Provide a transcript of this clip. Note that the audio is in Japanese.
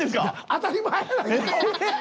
当たり前やないかアホ！